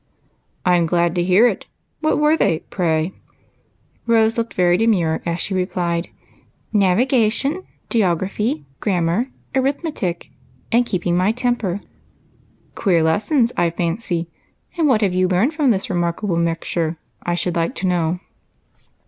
" I 'm glad to hear it ; and what were they, pray ?" Rose looked very demure as she replied, —" Navigation, geography, grammar, arithmetic, and keeping my temper." " Queer lessons, I fancy ; and what have you learned from this remarkable mixture, I should like to know?